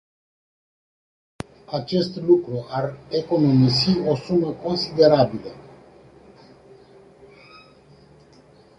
Acest lucru ar economisi o sumă considerabilă.